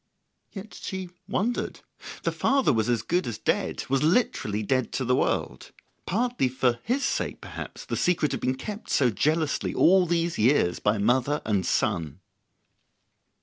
Yet she wondered. The father was as good as dead, was literally dead to the world; partly for his sake, perhaps, the secret had been kept so jealously all these years by mother and son.